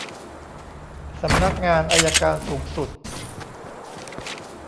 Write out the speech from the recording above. สำนักงานอัยการสูงสุด